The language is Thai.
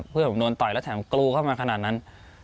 เพื่อนผมโดนต่อยแล้วแถมกรูเข้ามาขนาดนั้น